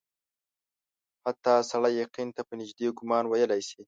حتی سړی یقین ته په نیژدې ګومان ویلای سي.